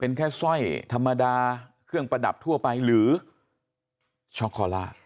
เป็นแค่สร้อยธรรมดาเครื่องประดับทั่วไปหรือช็อกโคล่า